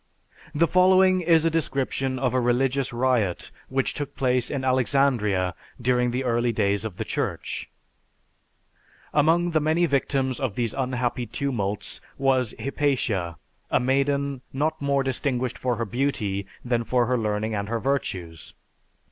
The following is a description of a religious riot which took place in Alexandria during the early days of the Church: "Among the many victims of these unhappy tumults was Hypatia, a maiden not more distinguished for her beauty than for her learning and her virtues.